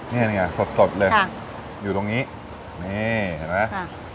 นี่ไงสดสดเลยอยู่ตรงนี้นี่เห็นไหม